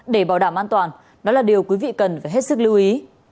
để bảo đảm an toàn đó là điều quý vị cần phải hết sức lưu ý